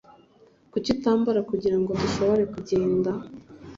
kuki utambara kugirango dushobore kugenda